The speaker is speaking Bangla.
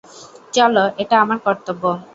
চলো, এটা আমার কর্তব্য।